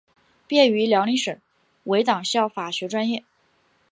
毕业于辽宁省委党校法学专业。